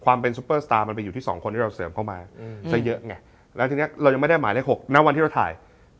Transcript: ซุปเปอร์สตาร์มันไปอยู่ที่สองคนที่เราเสริมเข้ามาซะเยอะไงแล้วทีนี้เรายังไม่ได้หมายเลข๖ณวันที่เราถ่าย